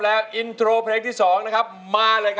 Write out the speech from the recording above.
เดี๋ยวเละติดมือลำบาก